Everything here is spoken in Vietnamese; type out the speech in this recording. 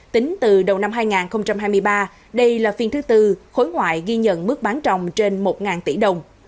tính từ đầu năm hai nghìn hai mươi ba đây là phiên thứ tư khối ngoại ghi nhận mức bán rồng trên một tỷ đồng